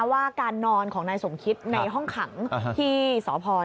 ว่าการนอนของนายสมคิดในห้องขังที่สพ